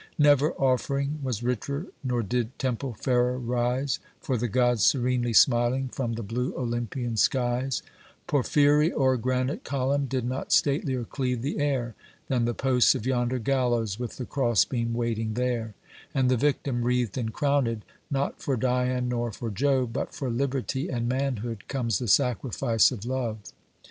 Never offering was richer, nor did temple fairer rise For the gods Berenely smiling^from the blue Olympian skies; Porphyry or granite column did not statelier cleave the air" Than the posts of yonder gallows with the cross beam waiting there ; And the victim, wreathed and crowned, not for Dian nor for Jove, But for Liberty and Manhood, comes, the sacrifice of Love.